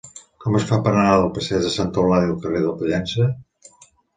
Com es fa per anar del passeig de Santa Eulàlia al carrer de Pollença?